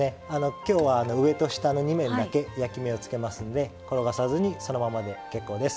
今日は上と下の２面だけ焼き目をつけますんで転がさずにそのままで結構です。